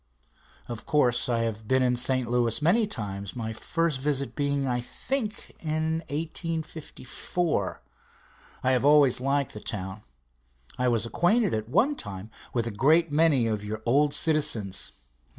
Of course, I have been in St. Louis many times, my first visit being, I think, in 1854. I have always liked the town. I was acquainted at one time with a great many of your old citizens.